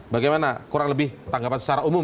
bagaimana kurang lebih tanggapan secara umum